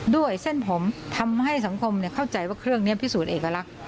เส้นผมทำให้สังคมเข้าใจว่าเครื่องนี้พิสูจน์เอกลักษณ